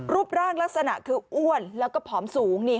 รูปร่างลักษณะคืออ้วนแล้วก็ผอมสูง